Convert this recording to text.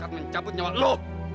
akan mencabut nyawa lo